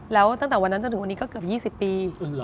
แล้วตั้งแต่วันนั้นจนถึงวันนี้ก็เกือบ๒๐ปี